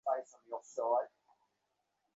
আপনার কি কিছুই মনে নেই?